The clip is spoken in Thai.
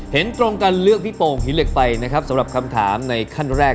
เห็นตรงกันเลือกพี่โป่งหินเหล็กไฟนะครับสำหรับคำถามในขั้นแรก